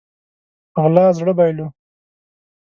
په غلا زړه بايلو